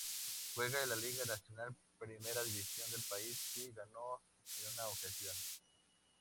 Juega en la Liga Nacional, primera división del país, que ganó en una ocasión.